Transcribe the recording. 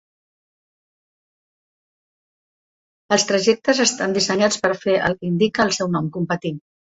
Els trajectes estan dissenyats per fer el que indica el seu nom: competir.